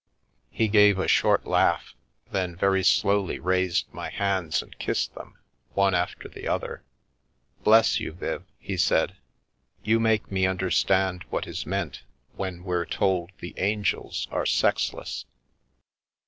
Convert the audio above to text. He gave a short laugh, then very slowly raised my hands and kissed them, one after the other. " Bless you, Viv," he said, " you make me understand what is meant when we're told the angels are sexless."